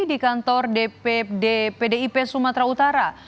di kantor dpp pdip sumatera utara